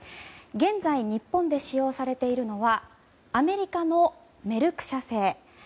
現在、日本で使用されているのはアメリカのメルク社製。